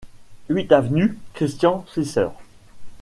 huit avenue Christian Pfister